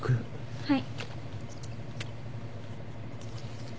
はい。